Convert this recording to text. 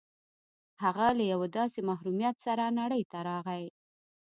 هغه له یوه داسې محرومیت سره نړۍ ته راغی